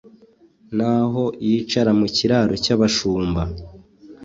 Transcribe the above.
naho yicara mukiraro cyabashumba